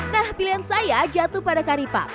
nah pilihan saya jatuh pada karipap